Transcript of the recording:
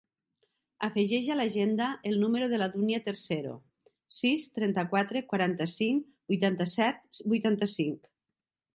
Afegeix a l'agenda el número de la Dúnia Tercero: sis, trenta-quatre, quaranta-cinc, vuitanta-set, vuitanta-cinc.